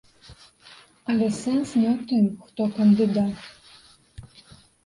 Але сэнс не ў тым, хто кандыдат.